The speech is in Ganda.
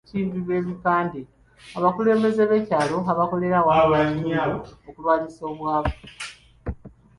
Abakulembeze b'ekyalo bakolera wamu n'ekitundu okulwanyisa obwavu.